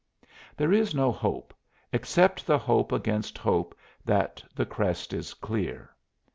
There is no hope except the hope against hope that the crest is clear.